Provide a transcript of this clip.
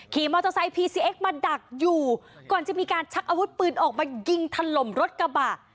ขี่มอเตอร์ไซค์พีซีเอ็กซมาดักอยู่ก่อนจะมีการชักอาวุธปืนออกมายิงถล่มรถกระบะ